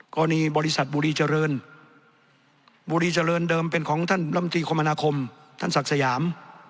กรณีบริษัทบุรีเจริญบุรีเจริญเดิมเป็นของท่านลำตีคมนาคมท่านศักดิ์สยาม